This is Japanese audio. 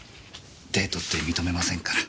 デートって認めませんから。